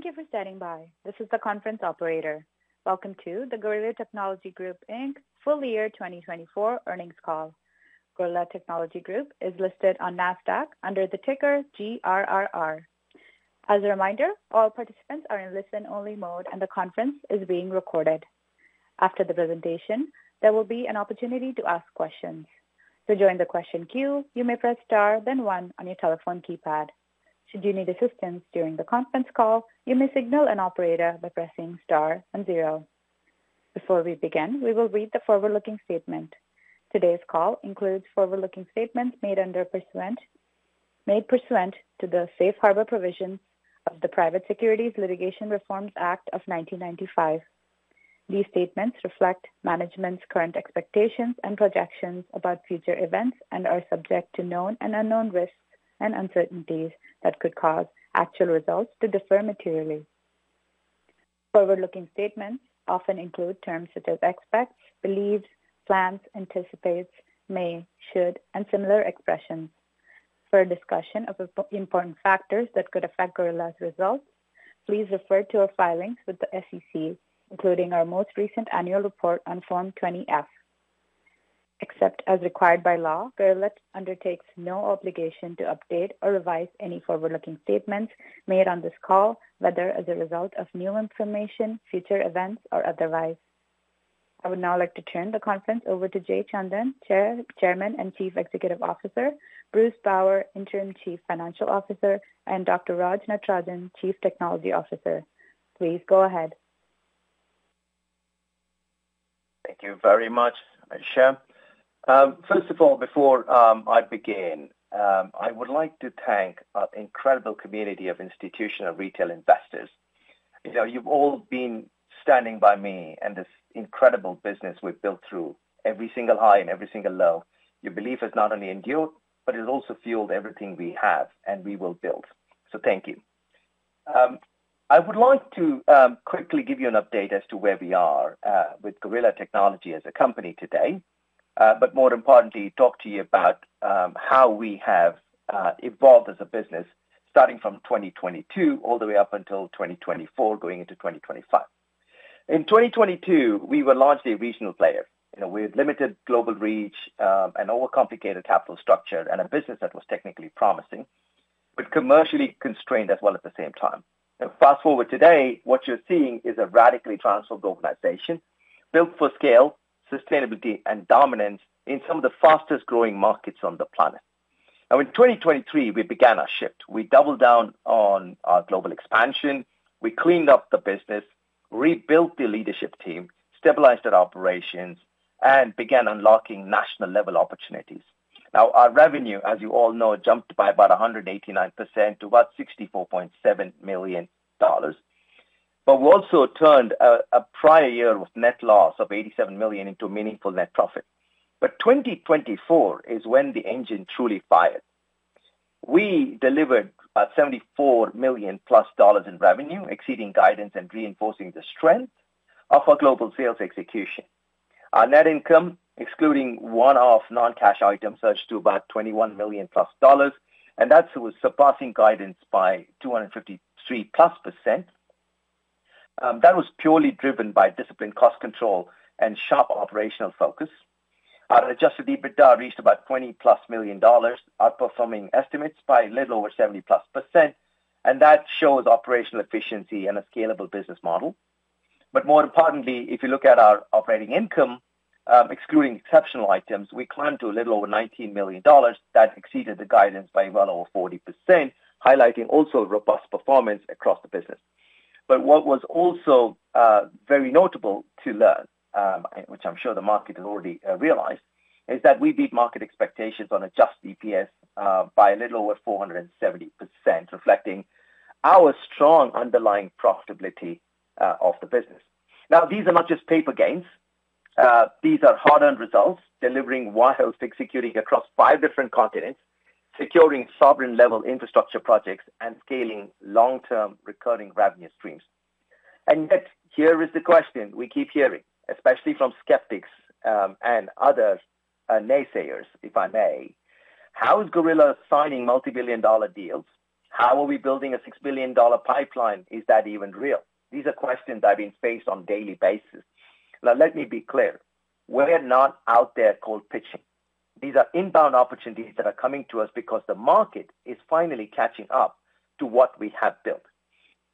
Thank you for standing by. This is the conference operator. Welcome to the Gorilla Technology Group Full Year 2024 earnings call. Gorilla Technology Group is listed on NASDAQ under the ticker GRRR. As a reminder, all participants are in listen-only mode, and the conference is being recorded. After the presentation, there will be an opportunity to ask questions. To join the question queue, you may press star, then one on your telephone keypad. Should you need assistance during the conference call, you may signal an operator by pressing star and zero. Before we begin, we will read the forward-looking statement. Today's call includes forward-looking statements made pursuant to the Safe Harbor Provision of the Private Securities Litigation Reforms Act of 1995. These statements reflect management's current expectations and projections about future events and are subject to known and unknown risks and uncertainties that could cause actual results to differ materially. Forward-looking statements often include terms such as expects, believes, plans, anticipates, may, should, and similar expressions. For discussion of important factors that could affect Gorilla's results, please refer to our filings with the SEC, including our most recent annual report on Form 20-F. Except as required by law, Gorilla undertakes no obligation to update or revise any forward-looking statements made on this call, whether as a result of new information, future events, or otherwise. I would now like to turn the conference over to Jay Chandan, Chairman and Chief Executive Officer, Bruce Bower, Interim Chief Financial Officer, and Dr. Raj Natarajan, Chief Technology Officer. Please go ahead. Thank you very much, Aisha. First of all, before I begin, I would like to thank our incredible community of institutional retail investors. You've all been standing by me and this incredible business we've built through every single high and every single low. Your belief has not only endured, but it has also fueled everything we have and we will build. Thank you. I would like to quickly give you an update as to where we are with Gorilla Technology as a company today, but more importantly, talk to you about how we have evolved as a business starting from 2022 all the way up until 2024, going into 2025. In 2022, we were largely a regional player. We had limited global reach and an overcomplicated capital structure and a business that was technically promising, but commercially constrained as well at the same time. Fast forward to today, what you're seeing is a radically transformed globalization built for scale, sustainability, and dominance in some of the fastest growing markets on the planet. Now, in 2023, we began our shift. We doubled down on our global expansion. We cleaned up the business, rebuilt the leadership team, stabilized our operations, and began unlocking national-level opportunities. Now, our revenue, as you all know, jumped by about 189% to about $64.7 million. We also turned a prior year with net loss of $87 million into a meaningful net profit. 2024 is when the engine truly fired. We delivered about $74 million plus in revenue, exceeding guidance and reinforcing the strength of our global sales execution. Our net income, excluding one-off non-cash items, was to about $21 million plus, and that was surpassing guidance by 253% plus. That was purely driven by disciplined cost control and sharp operational focus. Our adjusted EBITDA reached about $20 million plus, outperforming estimates by a little over 70% plus, and that shows operational efficiency and a scalable business model. More importantly, if you look at our operating income, excluding exceptional items, we climbed to a little over $19 million. That exceeded the guidance by well over 40%, highlighting also robust performance across the business. What was also very notable to learn, which I am sure the market has already realized, is that we beat market expectations on adjusted EPS by a little over 470%, reflecting our strong underlying profitability of the business. These are not just paper gains. These are hard-earned results, delivering world-held fixed security across five different continents, securing sovereign-level infrastructure projects, and scaling long-term recurring revenue streams. Here is the question we keep hearing, especially from skeptics and other naysayers, if I may. How is Gorilla signing multi-billion dollar deals? How are we building a $6 billion pipeline? Is that even real? These are questions I've been faced on a daily basis. Let me be clear. We're not out there cold pitching. These are inbound opportunities that are coming to us because the market is finally catching up to what we have built.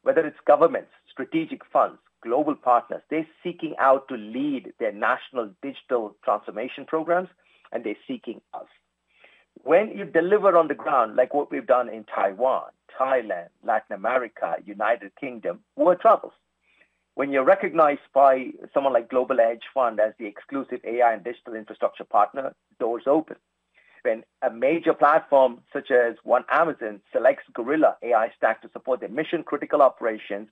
Whether it's governments, strategic funds, global partners, they're seeking out to lead their national digital transformation programs, and they're seeking us. When you deliver on the ground, like what we've done in Taiwan, Thailand, Latin America, United Kingdom, more troubles. When you're recognized by someone like Global Edge Fund as the exclusive AI and digital infrastructure partner, doors open. When a major platform such as One Amazon selects Gorilla AI Stack to support their mission-critical operations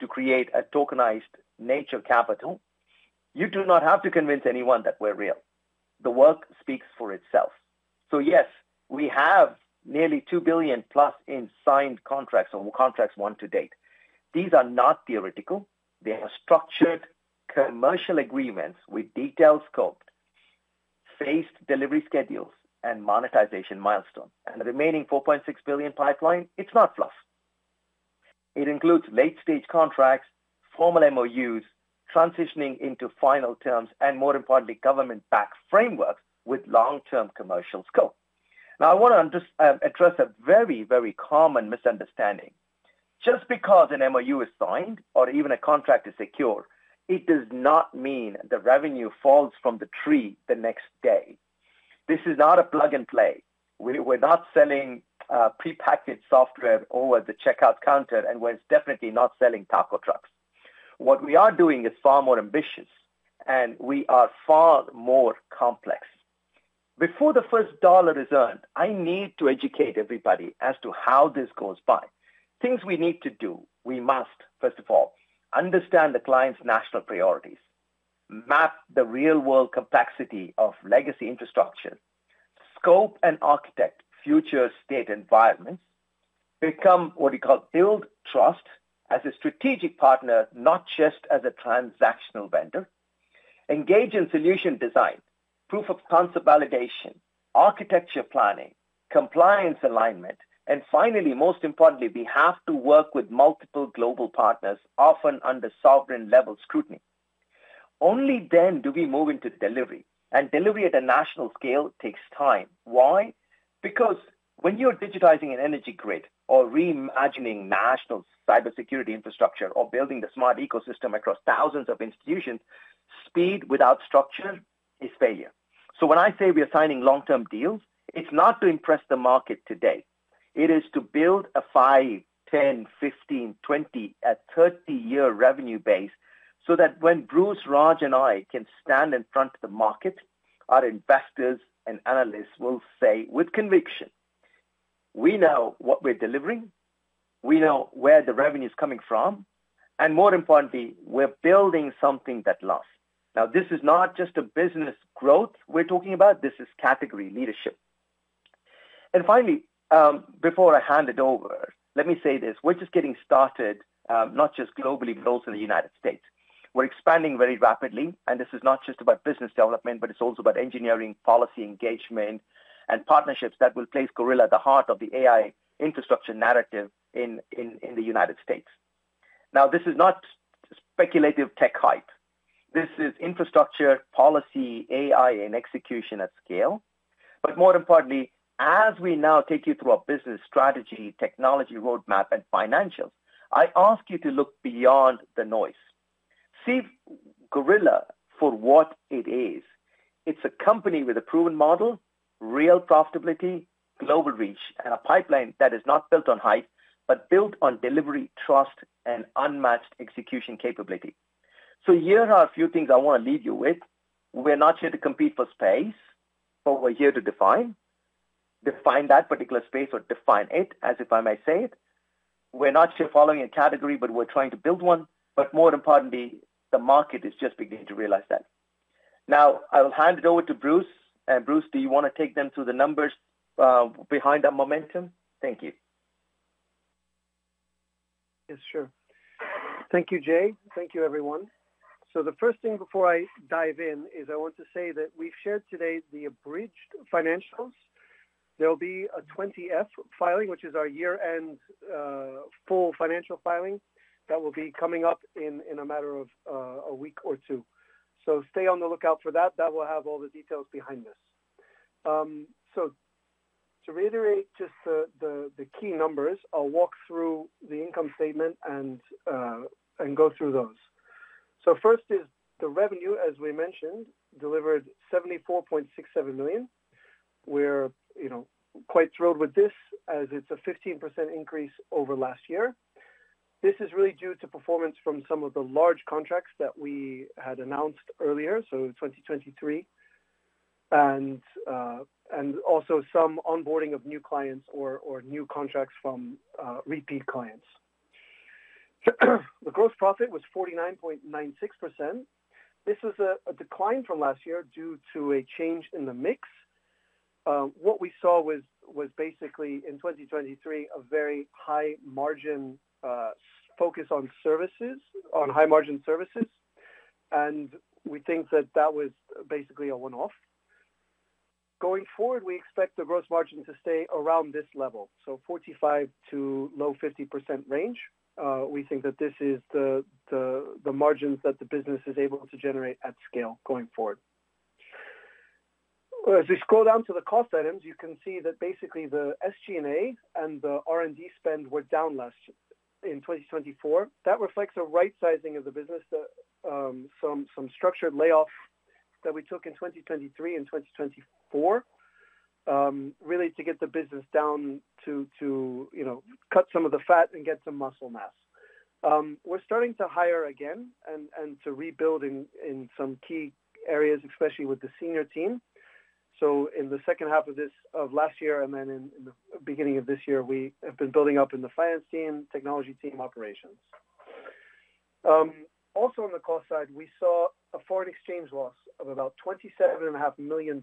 to create a tokenized nature capital, you do not have to convince anyone that we're real. The work speaks for itself. Yes, we have nearly $2 billion plus in signed contracts or contracts won to date. These are not theoretical. They are structured commercial agreements with detailed scope, phased delivery schedules, and monetization milestones. The remaining $4.6 billion pipeline is not fluff. It includes late-stage contracts, formal MoUs, transitioning into final terms, and more importantly, government-backed frameworks with long-term commercial scope. Now, I want to address a very, very common misunderstanding. Just because an MoU is signed or even a contract is secured, it does not mean the revenue falls from the tree the next day. This is not a plug and play. We're not selling pre-packaged software over the checkout counter, and we're definitely not selling taco trucks. What we are doing is far more ambitious, and we are far more complex. Before the first dollar is earned, I need to educate everybody as to how this goes by. Things we need to do, we must, first of all, understand the client's national priorities, map the real-world complexity of legacy infrastructure, scope and architect future state environments, become what we call build trust as a strategic partner, not just as a transactional vendor, engage in solution design, proof of concept validation, architecture planning, compliance alignment, and finally, most importantly, we have to work with multiple global partners, often under sovereign-level scrutiny. Only then do we move into delivery, and delivery at a national scale takes time. Why? Because when you're digitizing an energy grid or reimagining national cybersecurity infrastructure or building the smart ecosystem across thousands of institutions, speed without structure is failure. When I say we are signing long-term deals, it's not to impress the market today. It is to build a 5, 10, 15, 20, a 30-year revenue base so that when Bruce, Raj, and I can stand in front of the market, our investors and analysts will say with conviction, "We know what we're delivering. We know where the revenue is coming from. And more importantly, we're building something that lasts." This is not just a business growth we're talking about. This is category leadership. Finally, before I hand it over, let me say this. We're just getting started, not just globally, but also in the United States. We're expanding very rapidly, and this is not just about business development, but it's also about engineering, policy engagement, and partnerships that will place Gorilla at the heart of the AI infrastructure narrative in the United States. Now, this is not speculative tech hype. This is infrastructure, policy, AI, and execution at scale. More importantly, as we now take you through our business strategy, technology roadmap, and financial, I ask you to look beyond the noise. See Gorilla for what it is. It's a company with a proven model, real profitability, global reach, and a pipeline that is not built on hype but built on delivery, trust, and unmatched execution capability. Here are a few things I want to leave you with. We're not here to compete for space, but we're here to define. Define that particular space or define it, as if I may say it. We're not here following a category, but we're trying to build one. More importantly, the market is just beginning to realize that. Now, I will hand it over to Bruce. Bruce, do you want to take them through the numbers behind our momentum? Thank you. Yes, sure. Thank you, Jay. Thank you, everyone. The first thing before I dive in is I want to say that we've shared today the abridged financials. There will be a 20F filing, which is our year-end full financial filing that will be coming up in a matter of a week or two. Stay on the lookout for that. That will have all the details behind this. To reiterate just the key numbers, I'll walk through the income statement and go through those. First is the revenue, as we mentioned, delivered $74.67 million. We're quite thrilled with this as it's a 15% increase over last year. This is really due to performance from some of the large contracts that we had announced earlier, 2023, and also some onboarding of new clients or new contracts from repeat clients. The gross profit was 49.96%. This was a decline from last year due to a change in the mix. What we saw was basically in 2023, a very high margin focus on high-margin services. We think that that was basically a one-off. Going forward, we expect the gross margin to stay around this level, so 45%-low 50% range. We think that this is the margin that the business is able to generate at scale going forward. As we scroll down to the cost items, you can see that basically the SG&A and the R&D spend were down last in 2024. That reflects a right-sizing of the business, some structured layoffs that we took in 2023 and 2024, really to get the business down to cut some of the fat and get some muscle mass. We're starting to hire again and to rebuild in some key areas, especially with the senior team. In the second half of last year and then in the beginning of this year, we have been building up in the finance team, technology team, operations. Also on the cost side, we saw a foreign exchange loss of about $27.5 million.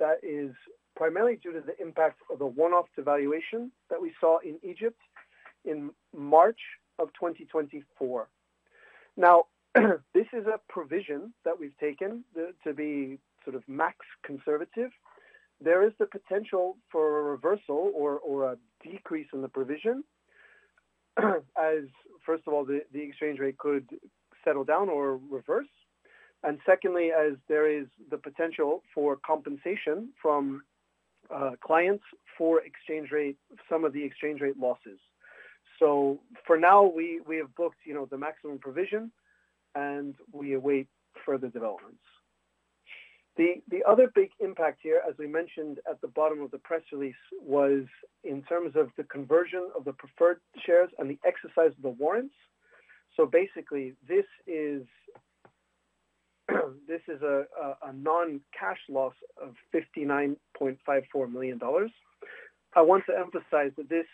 That is primarily due to the impact of the one-off devaluation that we saw in Egypt in March of 2024. Now, this is a provision that we've taken to be sort of max conservative. There is the potential for a reversal or a decrease in the provision as, first of all, the exchange rate could settle down or reverse. Secondly, as there is the potential for compensation from clients for some of the exchange rate losses. For now, we have booked the maximum provision, and we await further developments. The other big impact here, as we mentioned at the bottom of the press release, was in terms of the conversion of the preferred shares and the exercise of the warrants. Basically, this is a non-cash loss of $59.54 million. I want to emphasize that this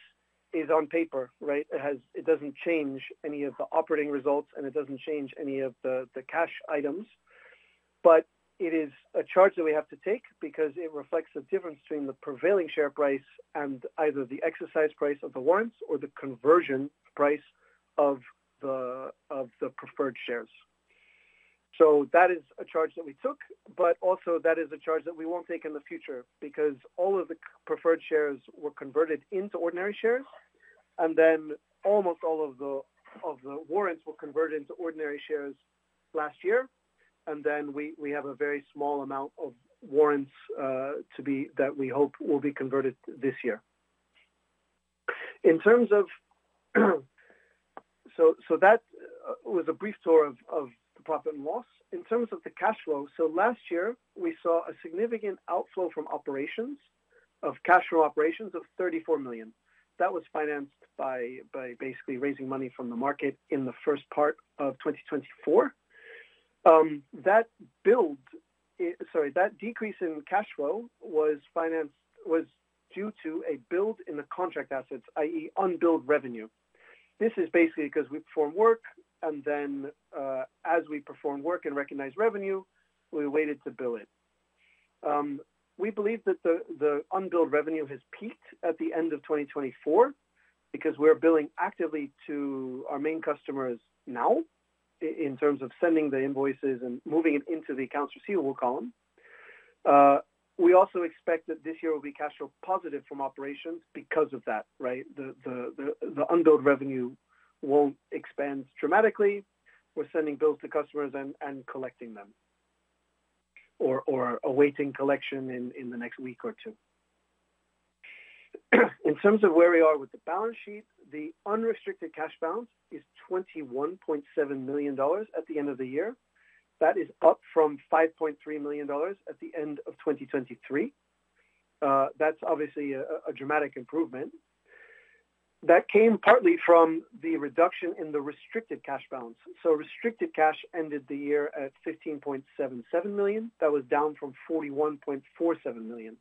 is on paper, right? It does not change any of the operating results, and it does not change any of the cash items. It is a charge that we have to take because it reflects the difference between the prevailing share price and either the exercise price of the warrants or the conversion price of the preferred shares. That is a charge that we took, but also that is a charge that we will not take in the future because all of the preferred shares were converted into ordinary shares, and then almost all of the warrants were converted into ordinary shares last year. We have a very small amount of warrants that we hope will be converted this year. That was a brief tour of the profit and loss. In terms of the cash flow, last year, we saw a significant outflow from operations of cash flow operations of $34 million. That was financed by basically raising money from the market in the first part of 2024. That decrease in cash flow was due to a build in the contract assets, i.e., unbilled revenue. This is basically because we perform work, and then as we perform work and recognize revenue, we waited to bill it. We believe that the unbilled revenue has peaked at the end of 2024 because we're billing actively to our main customers now in terms of sending the invoices and moving it into the accounts receivable column. We also expect that this year will be cash flow positive from operations because of that, right? The unbilled revenue won't expand dramatically. We're sending bills to customers and collecting them or awaiting collection in the next week or two. In terms of where we are with the balance sheet, the unrestricted cash balance is $21.7 million at the end of the year. That is up from $5.3 million at the end of 2023. That's obviously a dramatic improvement. That came partly from the reduction in the restricted cash balance. Restricted cash ended the year at $15.77 million. That was down from $41.47 million.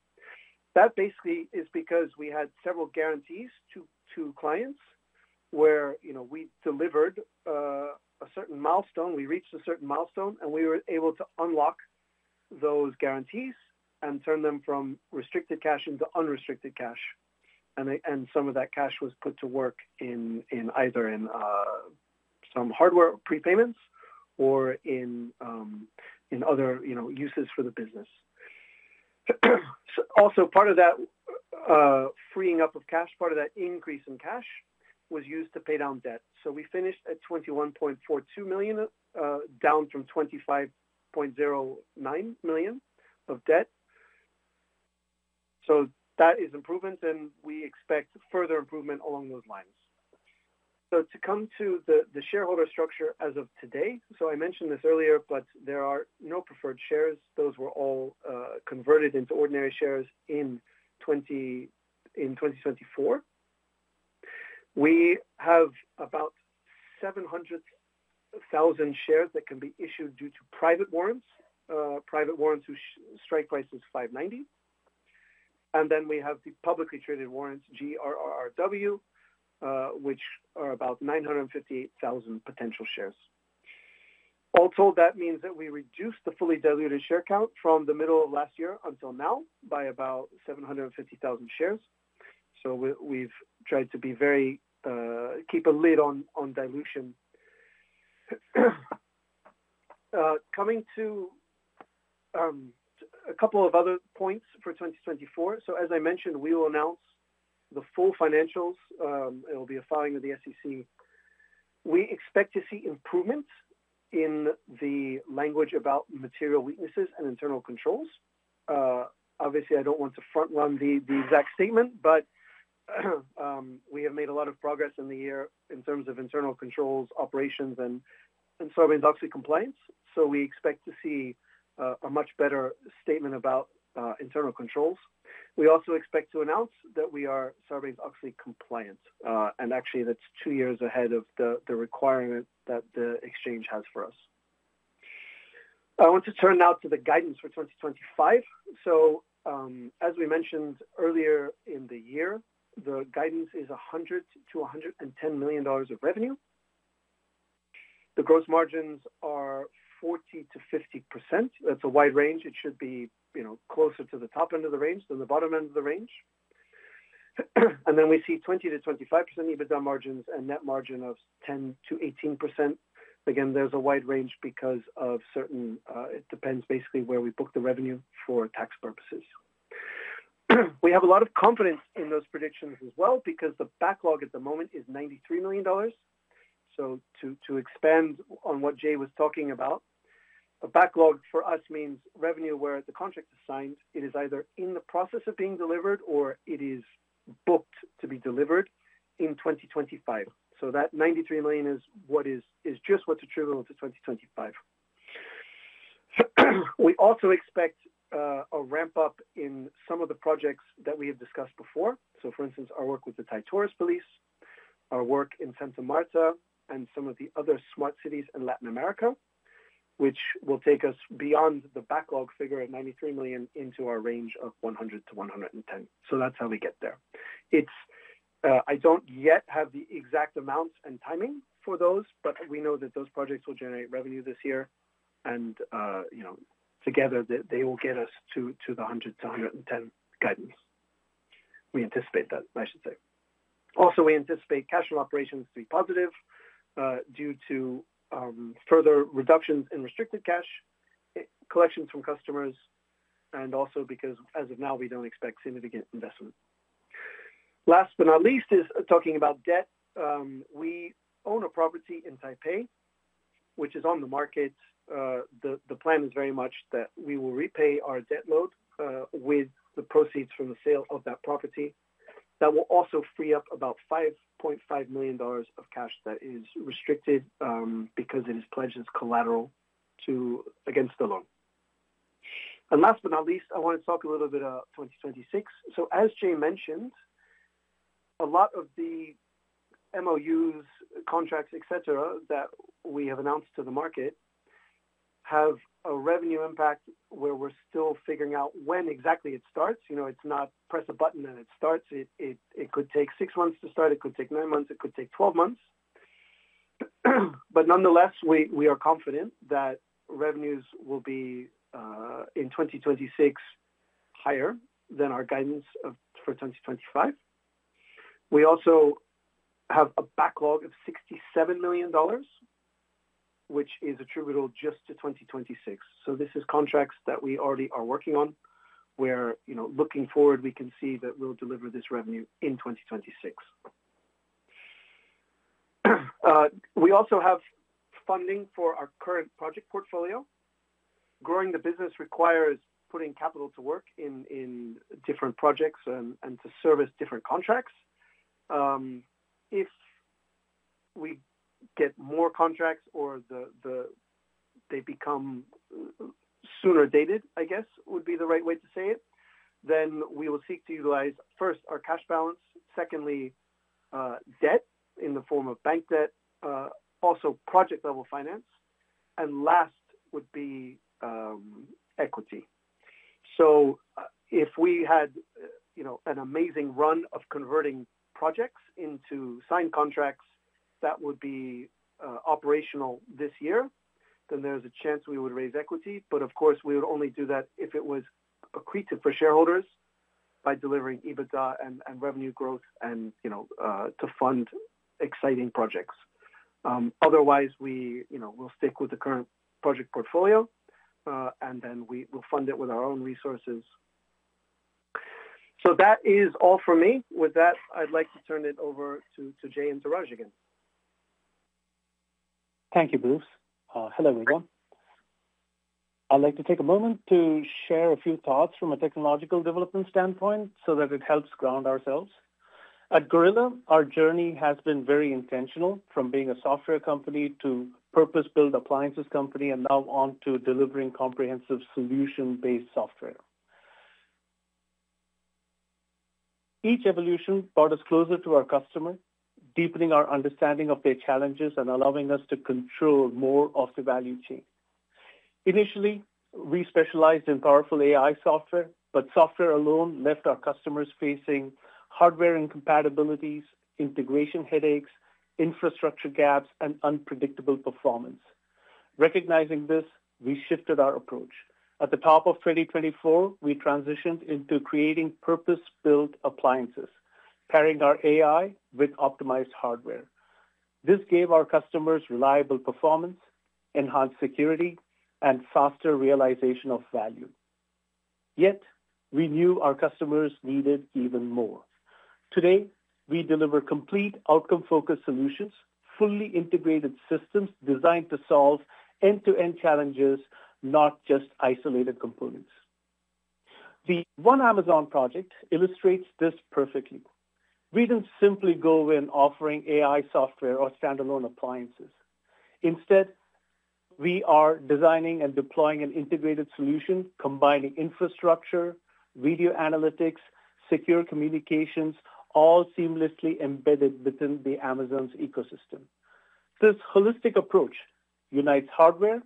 That basically is because we had several guarantees to clients where we delivered a certain milestone. We reached a certain milestone, and we were able to unlock those guarantees and turn them from restricted cash into unrestricted cash. Some of that cash was put to work either in some hardware prepayments or in other uses for the business. Also, part of that freeing up of cash, part of that increase in cash was used to pay down debt. We finished at $21.42 million, down from $25.09 million of debt. That is improvement, and we expect further improvement along those lines. To come to the shareholder structure as of today, I mentioned this earlier, but there are no preferred shares. Those were all converted into ordinary shares in 2024. We have about 700,000 shares that can be issued due to private warrants, private warrants whose strike price is $590. We have the publicly traded warrants, GRRRW, which are about 958,000 potential shares. All told, that means that we reduced the fully diluted share count from the middle of last year until now by about 750,000 shares. We have tried to keep a lid on dilution. Coming to a couple of other points for 2024. As I mentioned, we will announce the full financials. It will be a filing of the SEC. We expect to see improvements in the language about material weaknesses and internal controls. Obviously, I do not want to front-run the exact statement, but we have made a lot of progress in the year in terms of internal controls, operations, and serving SOX compliance. We expect to see a much better statement about internal controls. We also expect to announce that we are serving SOX compliance. Actually, that is two years ahead of the requirement that the exchange has for us. I want to turn now to the guidance for 2025. As we mentioned earlier in the year, the guidance is $100 million-$110 million of revenue. The gross margins are 40%-50%. That is a wide range. It should be closer to the top end of the range than the bottom end of the range. We see 20%-25% EBITDA margins and net margin of 10%-18%. Again, there is a wide range because it depends basically where we book the revenue for tax purposes. We have a lot of confidence in those predictions as well because the backlog at the moment is $93 million. To expand on what Jay was talking about, a backlog for us means revenue where the contract is signed, it is either in the process of being delivered or it is booked to be delivered in 2025. That $93 million is just what's achievable for 2025. We also expect a ramp-up in some of the projects that we have discussed before. For instance, our work with the Taoyuan Police, our work in Santa Marta, and some of the other smart cities in Latin America, which will take us beyond the backlog figure at $93 million into our range of $100 million -$110 million. That is how we get there. I do not yet have the exact amounts and timing for those, but we know that those projects will generate revenue this year. Together, they will get us to the $100 million-$110 million guidance. We anticipate that. Also, we anticipate cash flow operations to be positive due to further reductions in restricted cash collections from customers and also because, as of now, we do not expect significant investment. Last but not least, talking about debt, we own a property in Taipei, which is on the market. The plan is very much that we will repay our debt load with the proceeds from the sale of that property. That will also free up about $5.5 million of cash that is restricted because it is pledged as collateral against the loan. Last but not least, I want to talk a little bit about 2026. As Jay mentioned, a lot of the MOUs, contracts, etc., that we have announced to the market have a revenue impact where we're still figuring out when exactly it starts. It's not press a button and it starts. It could take six months to start. It could take nine months. It could take 12 months. Nonetheless, we are confident that revenues will be in 2026 higher than our guidance for 2025. We also have a backlog of $67 million, which is attributable just to 2026. This is contracts that we already are working on where, looking forward, we can see that we'll deliver this revenue in 2026. We also have funding for our current project portfolio. Growing the business requires putting capital to work in different projects and to service different contracts. If we get more contracts or they become sooner dated, I guess, would be the right way to say it, we will seek to utilize, first, our cash balance, secondly, debt in the form of bank debt, also project-level finance, and last would be equity. If we had an amazing run of converting projects into signed contracts that would be operational this year, then there's a chance we would raise equity. Of course, we would only do that if it was accretive for shareholders by delivering EBITDA and revenue growth to fund exciting projects. Otherwise, we'll stick with the current project portfolio, and then we'll fund it with our own resources. That is all for me. With that, I'd like to turn it over to Jay and Raj Natarajan again. Thank you, Bruce. Hello, everyone. I'd like to take a moment to share a few thoughts from a technological development standpoint so that it helps ground ourselves. At Gorilla, our journey has been very intentional from being a software company to purpose-built appliances company and now on to delivering comprehensive solution-based software. Each evolution brought us closer to our customer, deepening our understanding of their challenges and allowing us to control more of the value chain. Initially, we specialized in powerful AI software, but software alone left our customers facing hardware incompatibilities, integration headaches, infrastructure gaps, and unpredictable performance. Recognizing this, we shifted our approach. At the top of 2024, we transitioned into creating purpose-built appliances, pairing our AI with optimized hardware. This gave our customers reliable performance, enhanced security, and faster realization of value. Yet, we knew our customers needed even more. Today, we deliver complete outcome-focused solutions, fully integrated systems designed to solve end-to-end challenges, not just isolated components. The One Amazon project illustrates this perfectly. We did not simply go in offering AI software or standalone appliances. Instead, we are designing and deploying an integrated solution, combining infrastructure, video analytics, secure communications, all seamlessly embedded within the Amazon's ecosystem. This holistic approach unites hardware,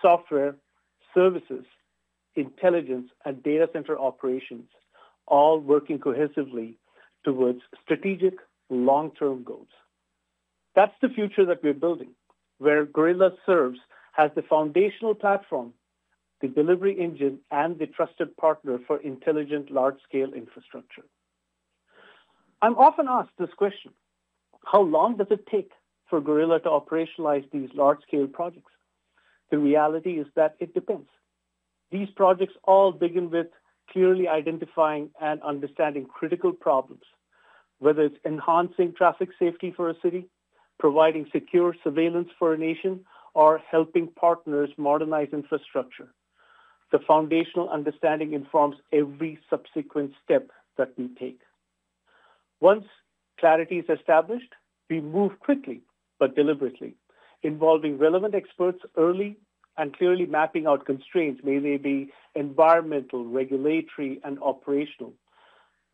software, services, intelligence, and data center operations, all working cohesively towards strategic long-term goals. That's the future that we're building, where Gorilla serves as the foundational platform, the delivery engine, and the trusted partner for intelligent large-scale infrastructure. I'm often asked this question: How long does it take for Gorilla to operationalize these large-scale projects? The reality is that it depends. These projects all begin with clearly identifying and understanding critical problems, whether it's enhancing traffic safety for a city, providing secure surveillance for a nation, or helping partners modernize infrastructure. The foundational understanding informs every subsequent step that we take. Once clarity is established, we move quickly but deliberately, involving relevant experts early and clearly mapping out constraints, whether they be environmental, regulatory, and operational.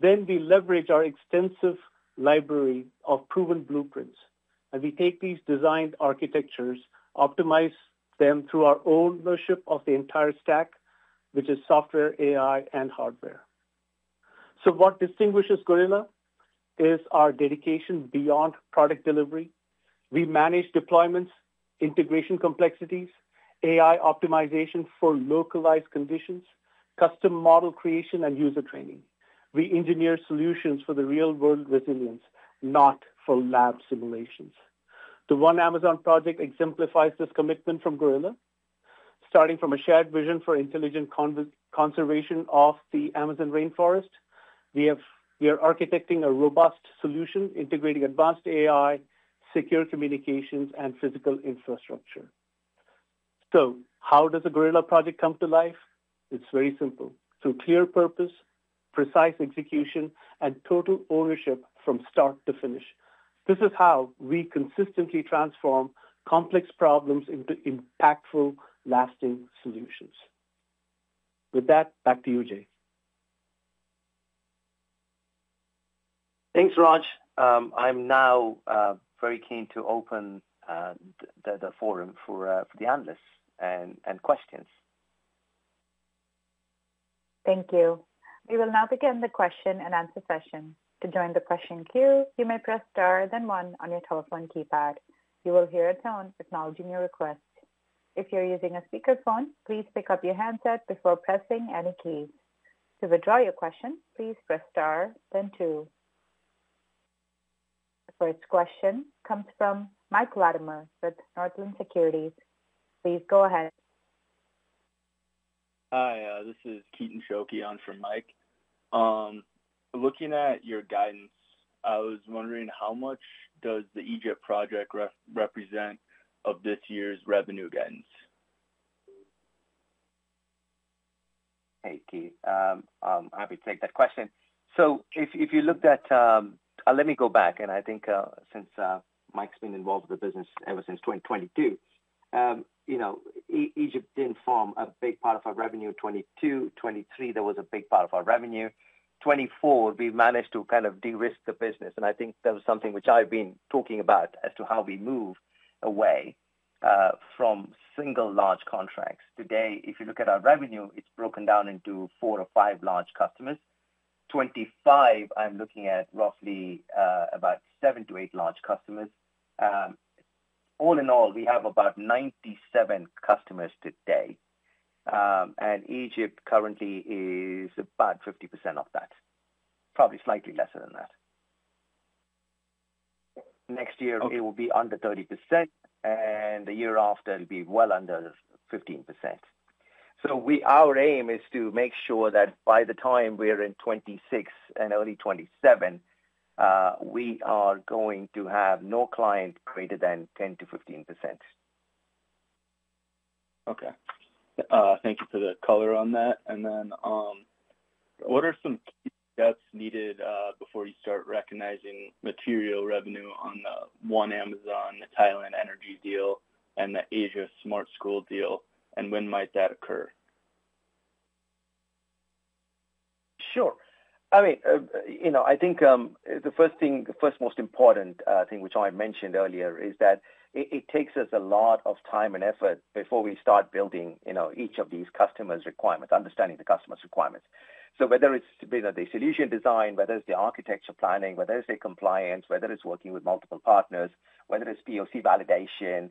Then we leverage our extensive library of proven blueprints, and we take these designed architectures, optimize them through our ownership of the entire stack, which is software, AI, and hardware. What distinguishes Gorilla is our dedication beyond product delivery. We manage deployments, integration complexities, AI optimization for localized conditions, custom model creation, and user training. We engineer solutions for the real world within these, not for lab simulations. The One Amazon project exemplifies this commitment from Gorilla. Starting from a shared vision for intelligent conservation of the Amazon Rainforest, we are architecting a robust solution, integrating advanced AI, secure communications, and physical infrastructure. How does a Gorilla project come to life? It is very simple. Through clear purpose, precise execution, and total ownership from start to finish. This is how we consistently transform complex problems into impactful, lasting solutions. With that, back to you, Jay. Thanks, Raj. I am now very keen to open the forum for the analysts and questions. Thank you. We will now begin the question and answer session. To join the question queue, you may press star, then one on your telephone keypad. You will hear a tone acknowledging your request. If you're using a speakerphone, please pick up your handset before pressing any keys. To withdraw your question, please press star, then two. The first question comes from Mike Latimer with Northland Securities. Please go ahead. Hi, this is Keaton Schuelke from Mike. Looking at your guidance, I was wondering, how much does the Egypt project represent of this year's revenue guidance? Hey, Keaton. I'm happy to take that question. If you looked at—let me go back. I think since Mike's been involved with the business ever since 2022, Egypt didn't form a big part of our revenue. 2022, 2023, there was a big part of our revenue. 2024, we managed to kind of de-risk the business. I think that was something which I've been talking about as to how we move away from single large contracts. Today, if you look at our revenue, it's broken down into four or five large customers. In 2025, I'm looking at roughly about seven to eight large customers. All in all, we have about 97 customers today. Egypt currently is about 50% of that, probably slightly less than that. Next year, it will be under 30%, and the year after, it'll be well under 15%. Our aim is to make sure that by the time we're in 2026 and early 2027, we are going to have no client greater than 10%-15%. Okay. Thank you for the color on that. What are some key steps needed before you start recognizing material revenue on the One Amazon, the Thailand energy deal, and the Asia Smart School deal? When might that occur? Sure. I mean, I think the first thing, the first most important thing which I mentioned earlier is that it takes us a lot of time and effort before we start building each of these customers' requirements, understanding the customers' requirements. Whether it's the solution design, whether it's the architecture planning, whether it's the compliance, whether it's working with multiple partners, whether it's POC validation,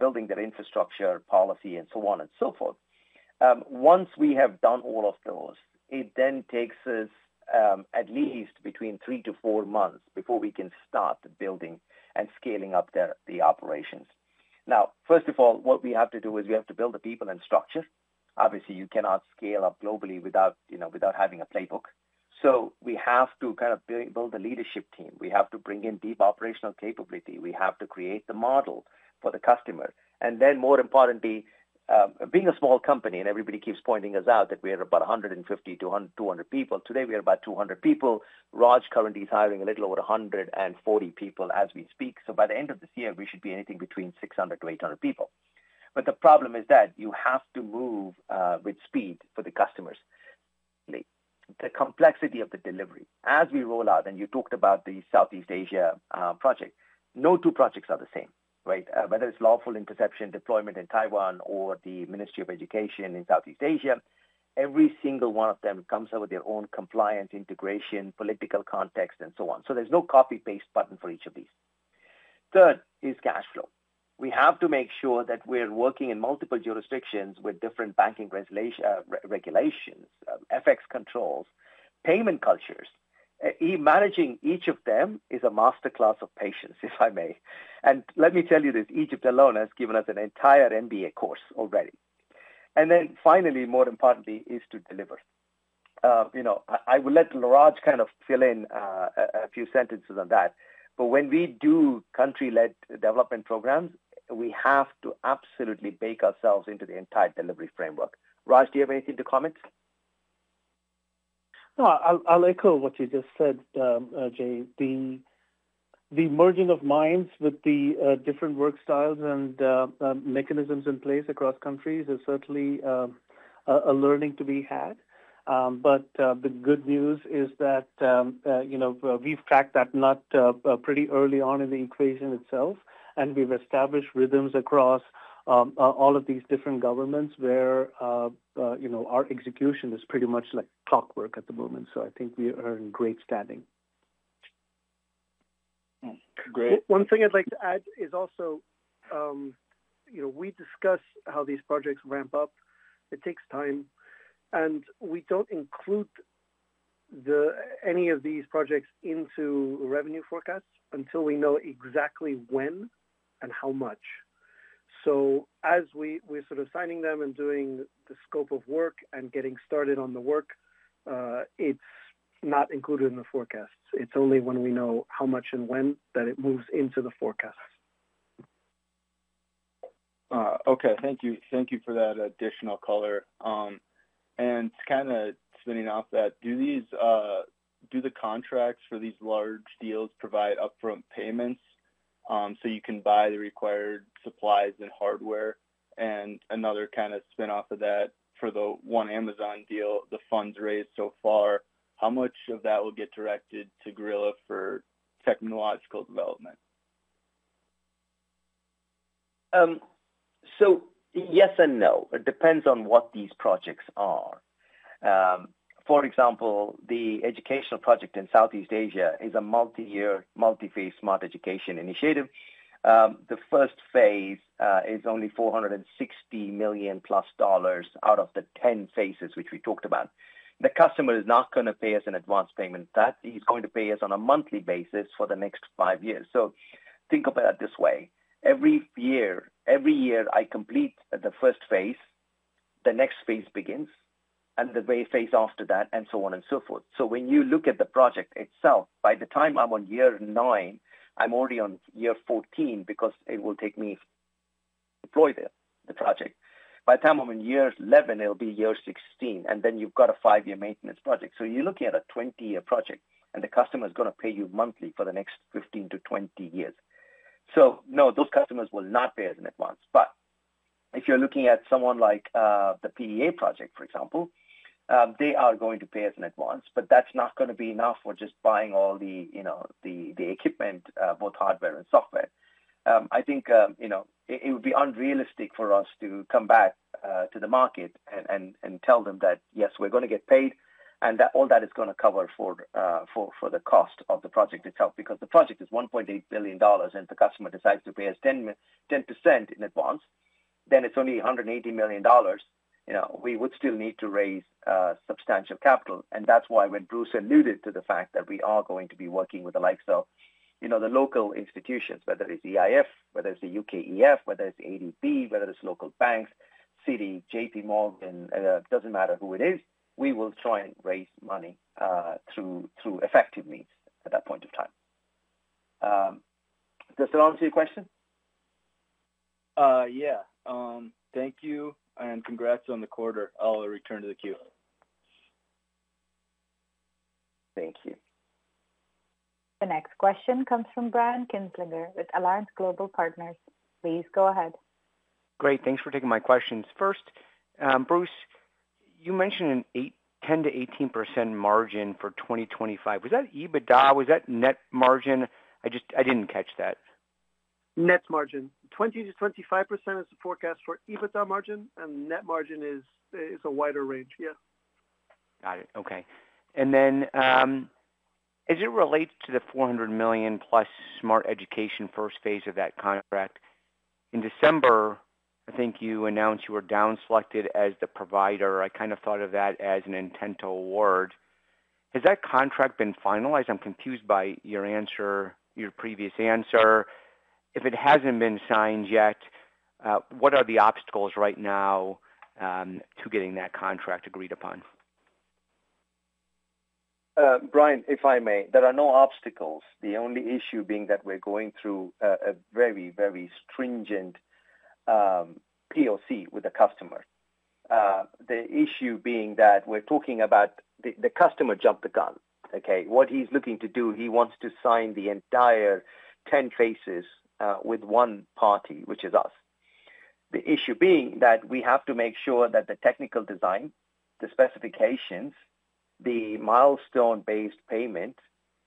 building their infrastructure policy, and so on and so forth. Once we have done all of those, it then takes us at least between three to four months before we can start building and scaling up the operations. Now, first of all, what we have to do is we have to build the people and structure. Obviously, you cannot scale up globally without having a playbook. We have to kind of build the leadership team. We have to bring in deep operational capability. We have to create the model for the customer. More importantly, being a small company, and everybody keeps pointing us out that we are about 150-200 people. Today, we are about 200 people. Raj currently is hiring a little over 140 people as we speak. By the end of this year, we should be anything between 600-800 people. The problem is that you have to move with speed for the customers. The complexity of the delivery. As we roll out, and you talked about the Southeast Asia project, no two projects are the same, right? Whether it's lawful interception, deployment in Taiwan, or the Ministry of Education in Southeast Asia, every single one of them comes up with their own compliance integration, political context, and so on. There is no copy-paste button for each of these. Third is cash flow. We have to make sure that we're working in multiple jurisdictions with different banking regulations, FX controls, payment cultures. Managing each of them is a masterclass of patience, if I may. Let me tell you this, Egypt alone has given us an entire MBA course already. More importantly, is to deliver. I will let Raj kind of fill in a few sentences on that. When we do country-led development programs, we have to absolutely bake ourselves into the entire delivery framework. Raj, do you have anything to comment? No, I'll echo what you just said, Jay. The merging of minds with the different work styles and mechanisms in place across countries is certainly a learning to be had. The good news is that we've tracked that pretty early on in the equation itself. We've established rhythms across all of these different governments where our execution is pretty much like clockwork at the moment. I think we are in great standing. Great. One thing I'd like to add is also we discuss how these projects ramp up. It takes time. We do not include any of these projects into revenue forecasts until we know exactly when and how much. As we're sort of signing them and doing the scope of work and getting started on the work, it's not included in the forecasts. It's only when we know how much and when that it moves into the forecasts. Okay. Thank you. Thank you for that additional color. Kind of spinning off that, do the contracts for these large deals provide upfront payments so you can buy the required supplies and hardware? Another kind of spin-off of that for the One Amazon deal, the funds raised so far, how much of that will get directed to Gorilla for technological development? Yes and no. It depends on what these projects are. For example, the educational project in Southeast Asia is a multi-year, multi-phase smart education initiative. The first phase is only $460 million plus dollars out of the 10 phases which we talked about. The customer is not going to pay us an advanced payment. He's going to pay us on a monthly basis for the next five years. Think about it this way. Every year, I complete the first phase, the next phase begins, and the phase after that, and so on and so forth. When you look at the project itself, by the time I'm on year nine, I'm already on year 14 because it will take me to deploy the project. By the time I'm in year 11, it'll be year 16. You have a five-year maintenance project. You're looking at a 20-year project, and the customer is going to pay you monthly for the next 15-20 years. No, those customers will not pay us in advance. If you're looking at someone like the PEA project, for example, they are going to pay us in advance, but that's not going to be enough for just buying all the equipment, both hardware and software. I think it would be unrealistic for us to come back to the market and tell them that, yes, we're going to get paid, and all that is going to cover for the cost of the project itself. Because the project is $1.8 billion, and if the customer decides to pay us 10% in advance, then it's only $180 million. We would still need to raise substantial capital. That is why when Bruce alluded to the fact that we are going to be working with the likes of the local institutions, whether it's EIF, whether it's the UKEF, whether it's ADB, whether it's local banks, Citi, JPMorgan, it doesn't matter who it is, we will try and raise money through effective means at that point of time. Does that answer your question? Yeah. Thank you. And congrats on the quarter. I'll return to the queue. Thank you. The next question comes from Brian Kinstlinger with Alliance Global Partners. Please go ahead Great. Thanks for taking my questions. First, Bruce, you mentioned a 10%-18% margin for 2025. Was that EBITDA? Was that net margin? I did not catch that. Net margin. 20%-25% is the forecast for EBITDA margin, and net margin is a wider range. Yeah. Got it. Okay. As it relates to the $400 million plus smart education first phase of that contract, in December, I think you announced you were downselected as the provider. I kind of thought of that as an intent to award. Has that contract been finalized? I am confused by your previous answer. If it has not been signed yet, what are the obstacles right now to getting that contract agreed upon? Brian, if I may, there are no obstacles. The only issue being that we're going through a very, very stringent POC with the customer. The issue being that we're talking about the customer jumped the gun. Okay? What he's looking to do, he wants to sign the entire 10 phases with one party, which is us. The issue being that we have to make sure that the technical design, the specifications, the milestone-based payment,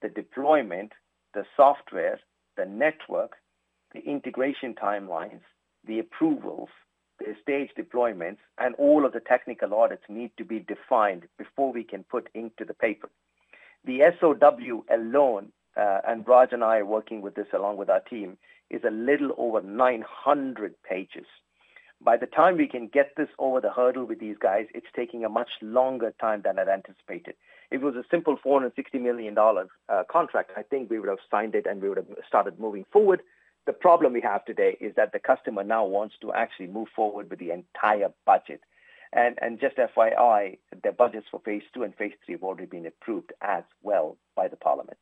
the deployment, the software, the network, the integration timelines, the approvals, the stage deployments, and all of the technical audits need to be defined before we can put into the paper. The SOW alone, and Raj and I are working with this along with our team, is a little over 900 pages. By the time we can get this over the hurdle with these guys, it's taking a much longer time than I'd anticipated. If it was a simple $460 million contract, I think we would have signed it and we would have started moving forward. The problem we have today is that the customer now wants to actually move forward with the entire budget. And just FYI, the budgets for phase two and phase three have already been approved as well by the parliament.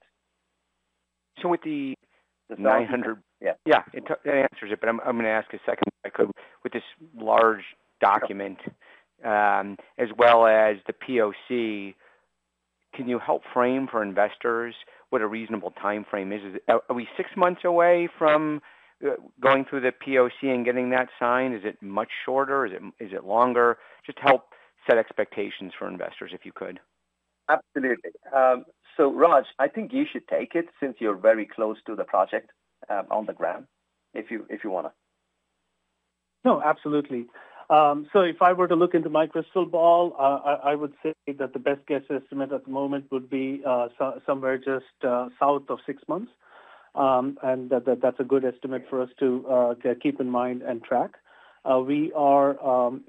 So with the 900. Yeah. Yeah. That answers it. But I'm going to ask a second. With this large document, as well as the POC, can you help frame for investors what a reasonable timeframe is? Are we six months away from going through the POC and getting that signed? Is it much shorter? Is it longer? Just help set expectations for investors, if you could. Absolutely. So Raj, I think you should take it since you're very close to the project on the ground, if you want to. No, absolutely. If I were to look into my crystal ball, I would say that the best guess estimate at the moment would be somewhere just south of six months. That is a good estimate for us to keep in mind and track. We are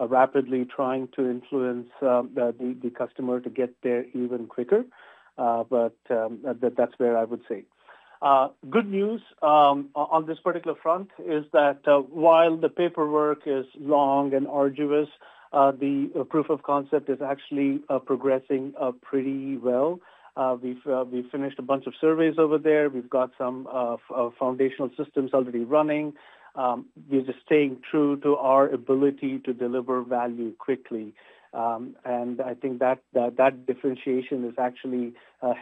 rapidly trying to influence the customer to get there even quicker. That is where I would say. Good news on this particular front is that while the paperwork is long and arduous, the proof of concept is actually progressing pretty well. We finished a bunch of surveys over there. We have got some foundational systems already running. We are just staying true to our ability to deliver value quickly. I think that differentiation is actually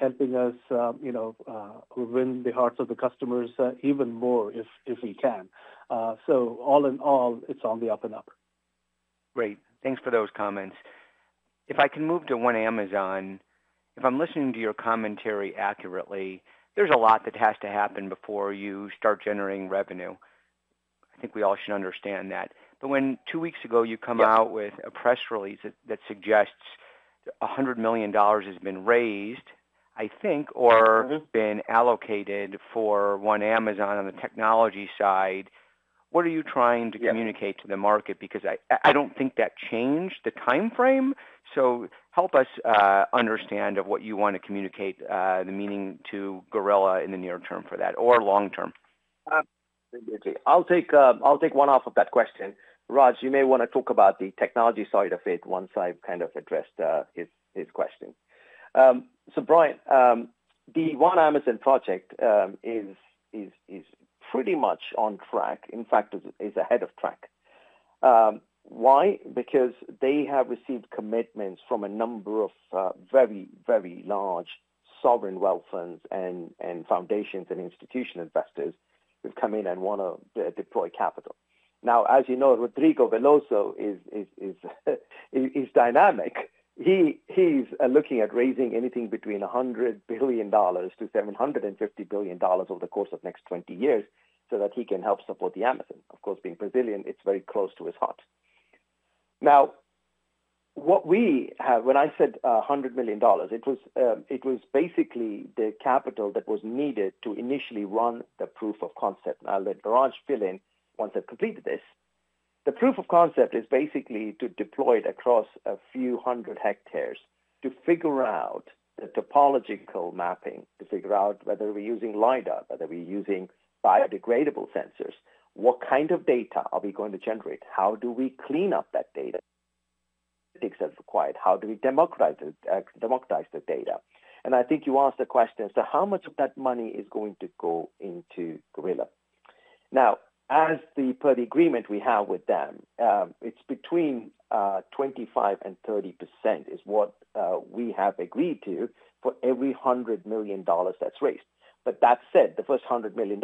helping us win the hearts of the customers even more if we can. All in all, it is on the up and up. Great. Thanks for those comments. If I can move to One Amazon, if I'm listening to your commentary accurately, there's a lot that has to happen before you start generating revenue. I think we all should understand that. When two weeks ago you come out with a press release that suggests $100 million has been raised, I think, or been allocated for One Amazon on the technology side, what are you trying to communicate to the market? I don't think that changed the timeframe. Help us understand what you want to communicate the meaning to Gorilla in the near term for that, or long term. I'll take one half of that question. Raj, you may want to talk about the technology side of it once I've kind of addressed his question. Brian, the One Amazon project is pretty much on track. In fact, it's ahead of track. Why? Because they have received commitments from a number of very, very large sovereign wealth funds and foundations and institutional investors who've come in and want to deploy capital. Now, as you know, Rodrigo Veloso is dynamic. He's looking at raising anything between $100 billion-$750 billion over the course of the next 20 years so that he can help support the Amazon. Of course, being Brazilian, it's very close to his heart. Now, when I said $100 million, it was basically the capital that was needed to initially run the proof of concept. I'll let Raj fill in once I've completed this. The proof of concept is basically to deploy it across a few hundred hectares to figure out the topological mapping, to figure out whether we're using LiDAR, whether we're using biodegradable sensors. What kind of data are we going to generate? How do we clean up that data? It's required. How do we democratize the data? I think you asked the question as to how much of that money is going to go into Gorilla. Now, as per the agreement we have with them, it's between 25%-30% is what we have agreed to for every $100 million that's raised. That said, the first $100 million,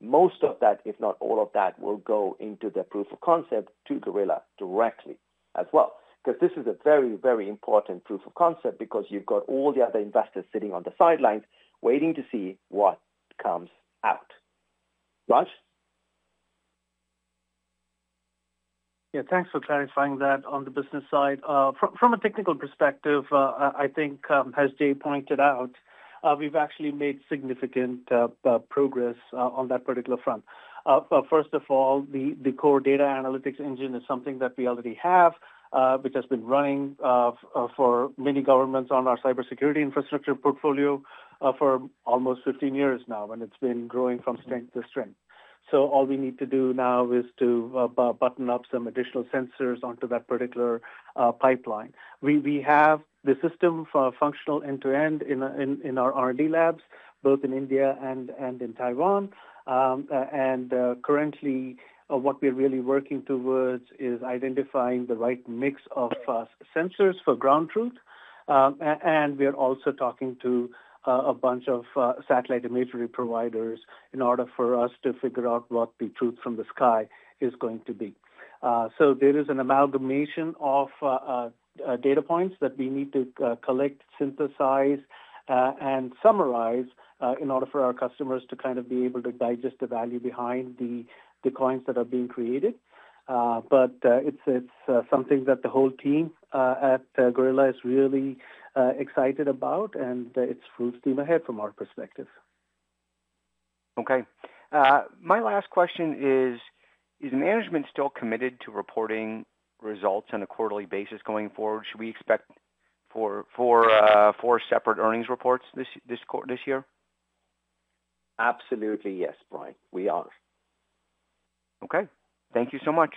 most of that, if not all of that, will go into the proof of concept to Gorilla directly as well. This is a very, very important proof of concept because you've got all the other investors sitting on the sidelines waiting to see what comes out. Raj? Yeah. Thanks for clarifying that on the business side. From a technical perspective, I think, as Jay pointed out, we've actually made significant progress on that particular front. First of all, the core data analytics engine is something that we already have, which has been running for many governments on our cybersecurity infrastructure portfolio for almost 15 years now, and it's been growing from strength to strength. All we need to do now is to button up some additional sensors onto that particular pipeline. We have the system functional end-to-end in our R&D labs, both in India and in Taiwan. Currently, what we're really working towards is identifying the right mix of sensors for ground truth. We're also talking to a bunch of satellite imagery providers in order for us to figure out what the truth from the sky is going to be. There is an amalgamation of data points that we need to collect, synthesize, and summarize in order for our customers to kind of be able to digest the value behind the coins that are being created. It is something that the whole team at Gorilla is really excited about, and it is full steam ahead from our perspective. Okay. My last question is, is management still committed to reporting results on a quarterly basis going forward? Should we expect four separate earnings reports this year? Absolutely, yes, Brian. We are. Okay. Thank you so much.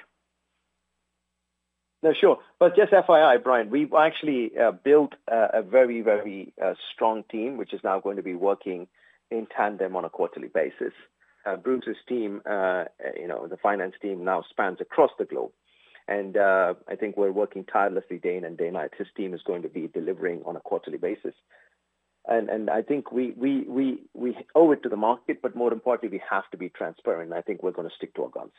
No, sure. Just FYI, Brian, we actually built a very, very strong team, which is now going to be working in tandem on a quarterly basis. Bruce's team, the finance team, now spans across the globe. I think we are working tirelessly day in and day night. His team is going to be delivering on a quarterly basis. I think we owe it to the market, but more importantly, we have to be transparent. I think we're going to stick to our guns.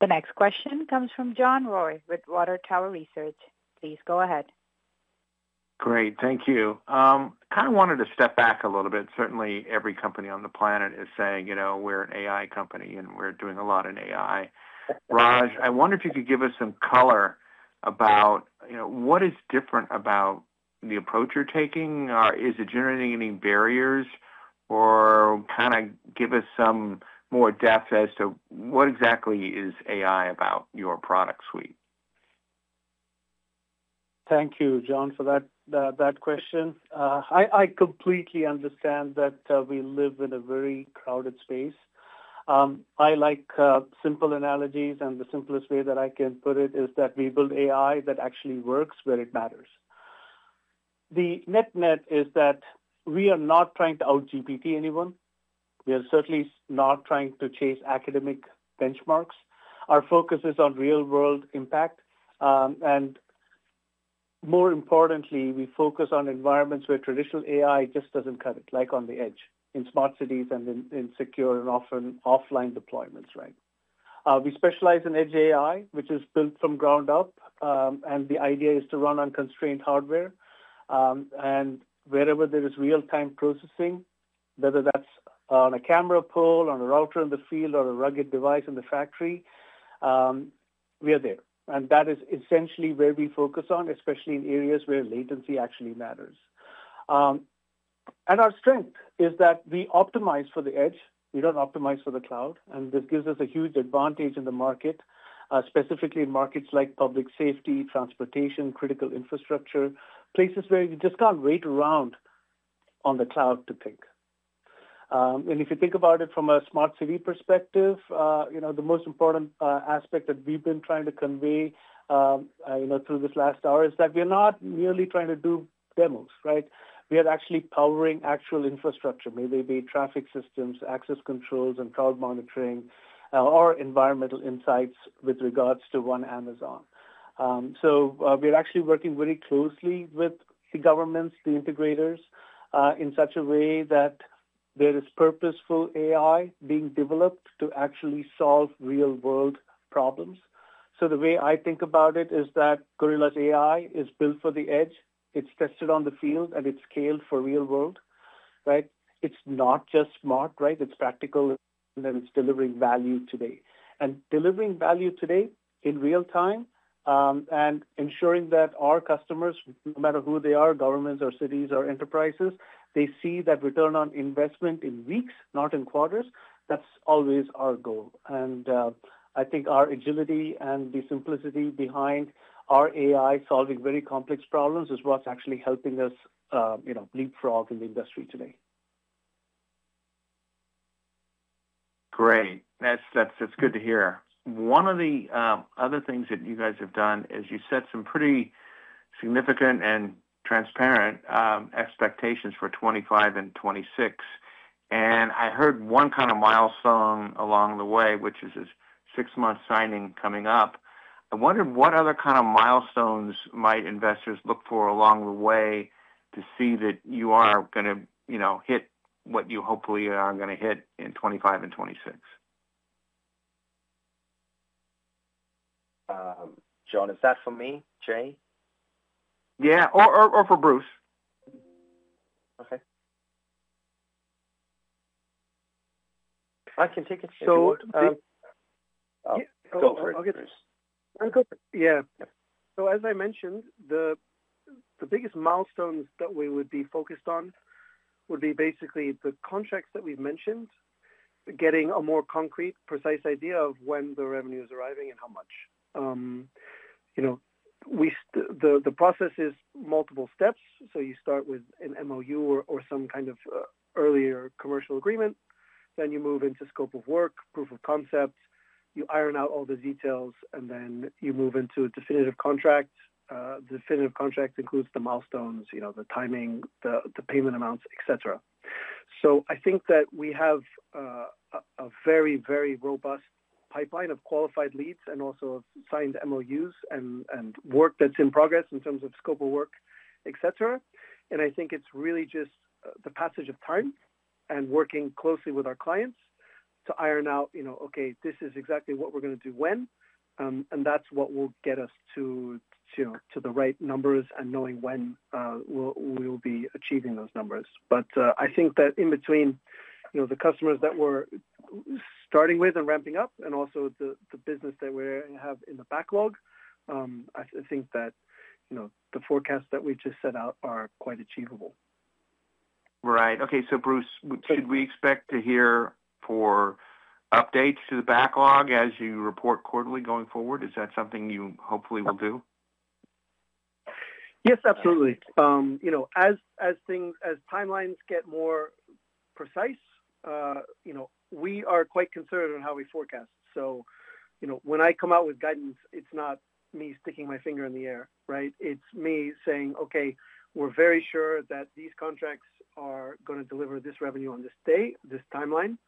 The next question comes from John Roy with Water Tower Research. Please go ahead. Great. Thank you. Kind of wanted to step back a little bit. Certainly, every company on the planet is saying, "We're an AI company, and we're doing a lot in AI." Raj, I wonder if you could give us some color about what is different about the approach you're taking. Is it generating any barriers? Or kind of give us some more depth as to what exactly is AI about your product suite? Thank you, John, for that question. I completely understand that we live in a very crowded space. I like simple analogies, and the simplest way that I can put it is that we build AI that actually works where it matters. The net-net is that we are not trying to out-GPT anyone. We are certainly not trying to chase academic benchmarks. Our focus is on real-world impact. More importantly, we focus on environments where traditional AI just doesn't cut it, like on the edge, in smart cities and in secure and often offline deployments, right? We specialize in edge AI, which is built from ground up. The idea is to run on constrained hardware. Wherever there is real-time processing, whether that's on a camera pole, on a router in the field, or a rugged device in the factory, we are there. That is essentially where we focus on, especially in areas where latency actually matters. Our strength is that we optimize for the edge. We do not optimize for the cloud. This gives us a huge advantage in the market, specifically in markets like public safety, transportation, critical infrastructure, places where you just cannot wait around on the cloud to think. If you think about it from a smart city perspective, the most important aspect that we have been trying to convey through this last hour is that we are not merely trying to do demos, right? We are actually powering actual infrastructure, maybe traffic systems, access controls, and cloud monitoring, or environmental insights with regards to One Amazon. We are actually working very closely with the governments, the integrators, in such a way that there is purposeful AI being developed to actually solve real-world problems. The way I think about it is that Gorilla's AI is built for the edge. It's tested on the field, and it's scaled for real-world, right? It's not just smart, right? It's practical, and then it's delivering value today. It's delivering value today in real-time and ensuring that our customers, no matter who they are, governments or cities or enterprises, they see that return on investment in weeks, not in quarters. That's always our goal. I think our agility and the simplicity behind our AI solving very complex problems is what's actually helping us leapfrog in the industry today. Great. That's good to hear. One of the other things that you guys have done is you set some pretty significant and transparent expectations for 2025 and 2026. I heard one kind of milestone along the way, which is this six-month signing coming up. I wondered what other kind of milestones might investors look for along the way to see that you are going to hit what you hopefully are going to hit in 2025 and 2026. John, is that for me, Jay? Yeah, or for Bruce. Okay. I can take it. Go for it, Bruce. Yeah. As I mentioned, the biggest milestones that we would be focused on would be basically the contracts that we've mentioned, getting a more concrete, precise idea of when the revenue is arriving and how much. The process is multiple steps. You start with an MOU or some kind of earlier commercial agreement. You move into scope of work, proof of concept. You iron out all the details, and you move into a definitive contract. The definitive contract includes the milestones, the timing, the payment amounts, etc. I think that we have a very, very robust pipeline of qualified leads and also signed MOUs and work that's in progress in terms of scope of work, etc. I think it's really just the passage of time and working closely with our clients to iron out, "Okay, this is exactly what we're going to do when." That's what will get us to the right numbers and knowing when we'll be achieving those numbers. I think that in between the customers that we're starting with and ramping up, and also the business that we have in the backlog, I think that the forecasts that we just set out are quite achievable. Right. Okay. Bruce, should we expect to hear updates to the backlog as you report quarterly going forward? Is that something you hopefully will do? Yes, absolutely. As timelines get more precise, we are quite concerned on how we forecast. When I come out with guidance, it's not me sticking my finger in the air, right? It's me saying, "Okay, we're very sure that these contracts are going to deliver this revenue on this day, this timeline."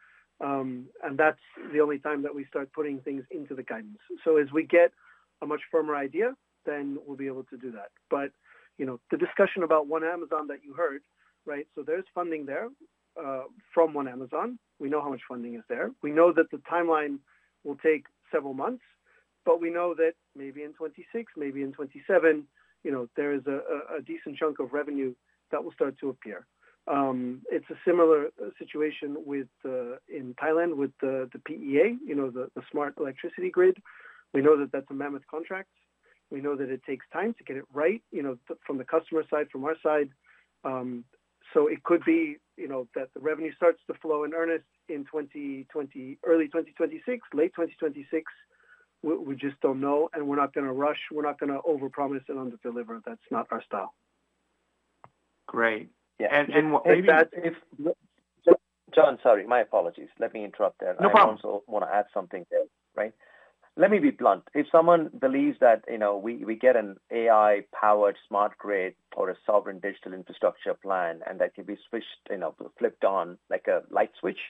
That's the only time that we start putting things into the guidance. As we get a much firmer idea, then we'll be able to do that. The discussion about One Amazon that you heard, right? There's funding there from One Amazon. We know how much funding is there. We know that the timeline will take several months, but we know that maybe in 2026, maybe in 2027, there is a decent chunk of revenue that will start to appear. It's a similar situation in Thailand with the PEA, the smart electricity grid. We know that that's a mammoth contract. We know that it takes time to get it right from the customer side, from our side. It could be that the revenue starts to flow in earnest in early 2026, late 2026. We just do not know. We are not going to rush. We are not going to overpromise and under-deliver. That is not our style. Great. Maybe that is— John, sorry. My apologies. Let me interrupt there. No problem. I also want to add something there, right? Let me be blunt. If someone believes that we get an AI-powered smart grid or a sovereign digital infrastructure plan, and that can be switched, flipped on like a light switch,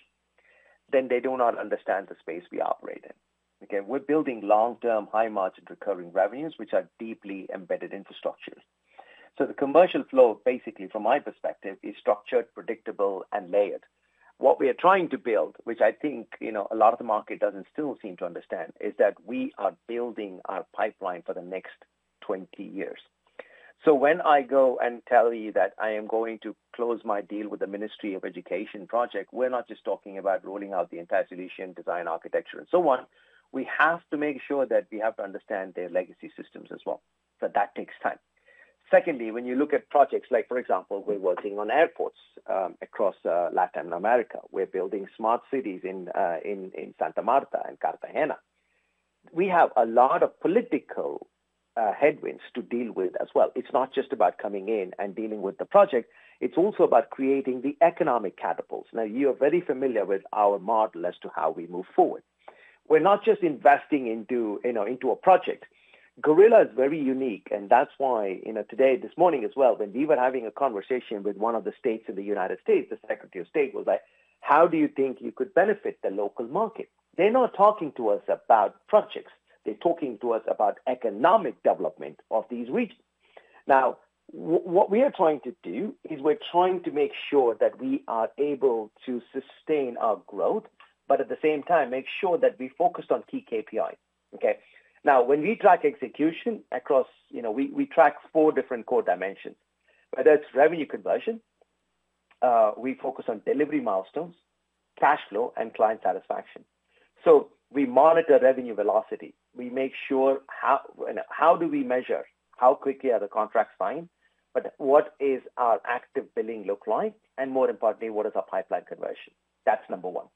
then they do not understand the space we operate in. Okay? We are building long-term, high-margin recurring revenues, which are deeply embedded infrastructure. The commercial flow, basically, from my perspective, is structured, predictable, and layered. What we are trying to build, which I think a lot of the market doesn't still seem to understand, is that we are building our pipeline for the next 20 years. When I go and tell you that I am going to close my deal with the Ministry of Education project, we're not just talking about rolling out the entire solution, design, architecture, and so on. We have to make sure that we have to understand their legacy systems as well. That takes time. Secondly, when you look at projects, like for example, we're working on airports across Latin America. We're building smart cities in Santa Marta and Cartagena. We have a lot of political headwinds to deal with as well. It's not just about coming in and dealing with the project. It's also about creating the economic catapults. Now, you are very familiar with our model as to how we move forward. We're not just investing into a project. Gorilla is very unique. That is why today, this morning as well, when we were having a conversation with one of the states in the United States, the Secretary of State was like, "How do you think you could benefit the local market?" They are not talking to us about projects. They are talking to us about economic development of these regions. Now, what we are trying to do is we are trying to make sure that we are able to sustain our growth, but at the same time, make sure that we focus on key KPIs. Okay? Now, when we track execution across, we track four different core dimensions. Whether it is revenue conversion, we focus on delivery milestones, cash flow, and client satisfaction. We monitor revenue velocity. We make sure how do we measure how quickly are the contracts buying, but what is our active billing look like, and more importantly, what is our pipeline conversion? That is number one.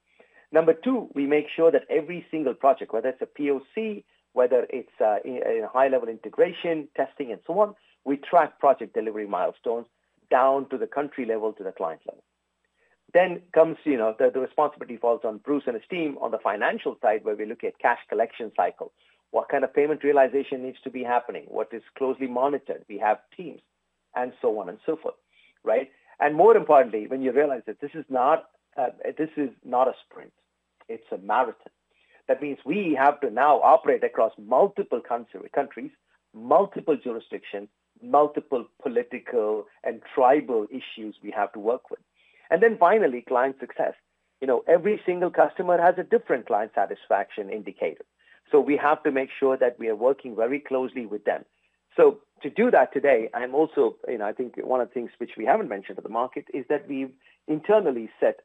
Number two, we make sure that every single project, whether it is a POC, whether it is a high-level integration, testing, and so on, we track project delivery milestones down to the country level, to the client level. Then comes the responsibility falls on Bruce and his team on the financial side, where we look at cash collection cycle. What kind of payment realization needs to be happening? What is closely monitored? We have teams, and so on and so forth, right? More importantly, when you realize that this is not a sprint, it is a marathon. That means we have to now operate across multiple countries, multiple jurisdictions, multiple political and tribal issues we have to work with. Finally, client success. Every single customer has a different client satisfaction indicator. We have to make sure that we are working very closely with them. To do that today, I am also, I think one of the things which we have not mentioned to the market is that we have internally set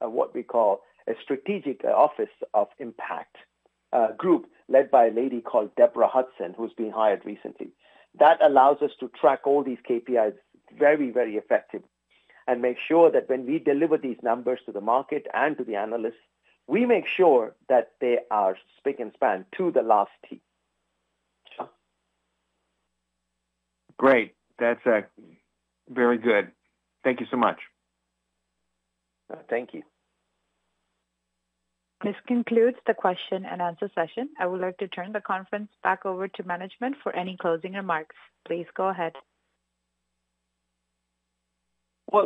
what we call a Strategic Office of Impact Group led by a lady called Debra Hudson, who has been hired recently. That allows us to track all these KPIs very, very effectively and make sure that when we deliver these numbers to the market and to the analysts, we make sure that they are spick and span to the last T. Great. That is very good. Thank you so much. Thank you. This concludes the question and answer session. I would like to turn the conference back over to management for any closing remarks. Please go ahead.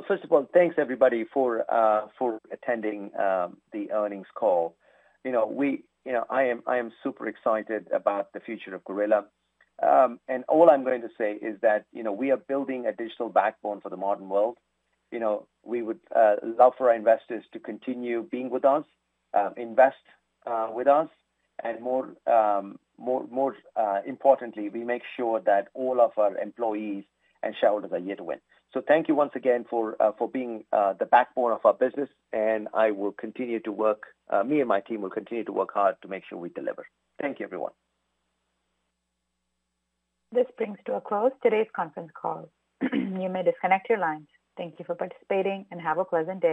First of all, thanks everybody for attending the earnings call. I am super excited about the future of Gorilla. All I'm going to say is that we are building a digital backbone for the modern world. We would love for our investors to continue being with us, invest with us, and more importantly, we make sure that all of our employees and shareholders are here to win. Thank you once again for being the backbone of our business. I will continue to work, me and my team will continue to work hard to make sure we deliver. Thank you, everyone. This brings to a close today's conference call. You may disconnect your lines. Thank you for participating and have a pleasant day.